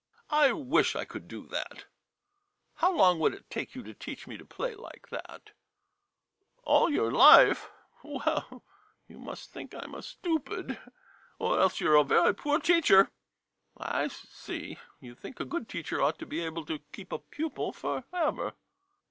] I wish I could do that ! How long would it take you to teach me to play like that ? All your life? Well — you must think I 'm a stupid ! Or else you 're a very poor teacher. I see; you think a good teacher ought to be able to keep a pupil forever.